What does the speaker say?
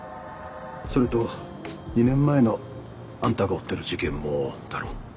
それと２年前のあんたが追ってる事件もだろ？